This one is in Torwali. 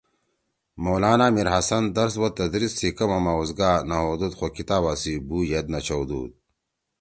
مولانا میرحسن درس او تدریس سی کما ما اوزگا نہ ہؤدُود خو کتابا سی بُو ید نہ چھؤدُود